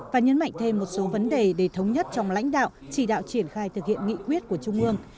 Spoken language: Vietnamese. và nhấn mạnh thêm một số vấn đề để thống nhất trong lãnh đạo chỉ đạo triển khai thực hiện nghị quyết của trung ương